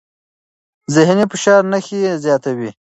ذهني فشار نښې زیاتوي.